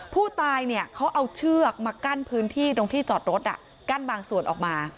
ผู้ตายเขาเอาเชือกมากั้นพื้นที่ตรงที่จอดรถกั้นบางส่วนออกมา